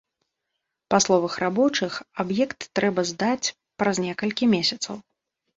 Па словах рабочых, аб'ект трэба здаць праз некалькі месяцаў.